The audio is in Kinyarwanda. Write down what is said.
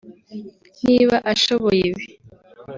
niba ashoboye ibi